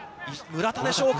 村田でしょうか。